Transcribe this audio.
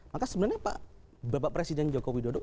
maka sebenarnya pak bapak presiden jokowi dodo